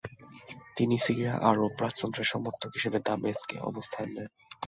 তিনি সিরিয়া আরব রাজতন্ত্রের সমর্থক হিসেবে দামেস্কে অবস্থান নেন।